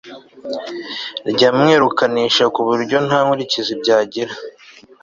ryamwirukanisha kuburyo ntankurikizi byagira